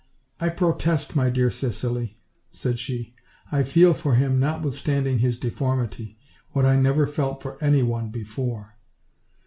"I protest, my dear Cicely," said she, "I feel for him, notwithstanding his deformity, what I never felt for any one before."